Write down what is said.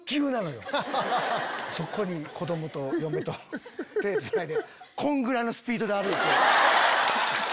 そこに子供と嫁と手つないでこんぐらいのスピードで歩いて。